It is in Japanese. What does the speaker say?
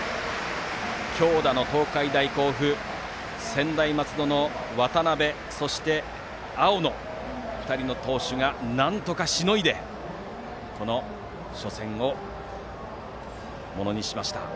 強打の東海大甲府を専大松戸の渡邉そして、青野２人の投手がなんとかしのいで初戦をものにしました。